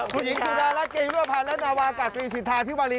ผู้หญิงสุดารักษณ์เกษฐพรรณและนาวากัตตรีสิทธาที่วรี